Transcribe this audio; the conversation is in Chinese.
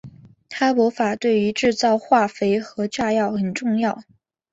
哈柏法对于制造化肥和炸药很重要。